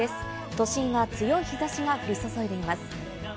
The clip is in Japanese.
都心は強い日差しが降り注いでいます。